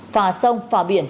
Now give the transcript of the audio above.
phà sông phà biển